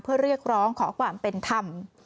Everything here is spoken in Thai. เพื่อเรียกร้องขอความเป็นธรรม